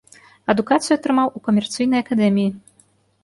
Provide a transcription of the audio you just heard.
Адукацыю атрымаў у камерцыйнай акадэміі.